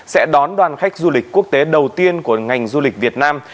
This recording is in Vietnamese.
sẽ đón đoàn khách du lịch quốc tế đầu tiên của ngành du lịch việt nam